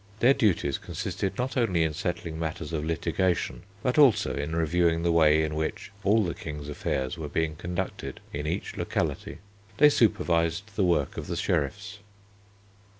Their duties consisted not only in settling matters of litigation, but also in reviewing the way in which all the King's affairs were being conducted in each locality. They supervised the work of the sheriffs.